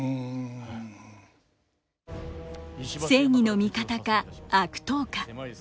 正義の味方か悪党か。